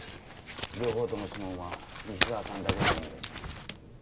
両方とも指紋は西沢さんだけのものでした。